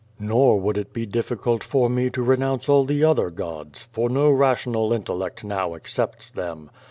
Nor would it be difficult for mo to renounce all the other gods, for no rational intellect now accepts them.